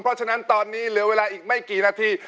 เพราะฉะนั้นตอนนี้เหลือเวลาอีกไม่กี่นาที